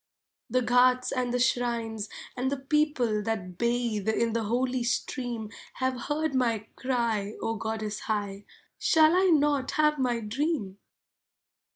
The ghats and the shrines and the people That bathe in the holy Stream Have heard my cry, O goddess high, Shall I not have my dream?